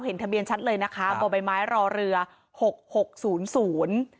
เห็นทะเบียนชัดเลยนะคะบ่อใบไม้รอเรือหกหกศูนย์ศูนย์